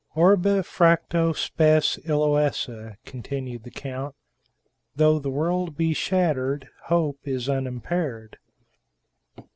"Orbe fracto, spes illoesa," continued the count "Though the world be shattered, hope is unimpaired."